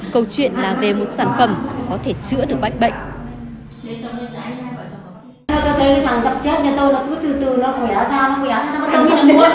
câu chuyện là về một sản phẩm có thể chữa được bách bệnh